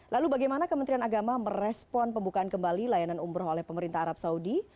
lalu bagaimana kementerian agama merespon pembukaan kembali layanan umroh oleh pemerintah arab saudi